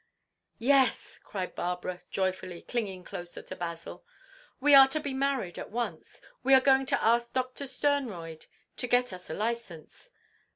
—" "Yes!" cried Barbara, joyfully, clinging closer to Basil. "We are to be married at once! We are going to ask Doctor Sternroyd to get us a licence."